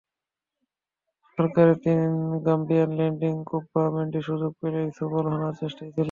সকারের তিন Gambian landing, কোব্বা, Mandy সুযোগ পেলেই ছোবল হানার চেষ্টায় ছিলেন।